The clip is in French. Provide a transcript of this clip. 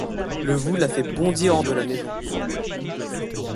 Le vous l’a fait bondir hors de la maison.